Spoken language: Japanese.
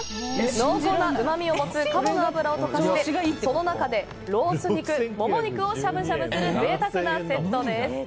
濃厚なうまみを持つ鴨の脂を溶かしてその中でロース肉、モモ肉をしゃぶしゃぶする贅沢なセットです。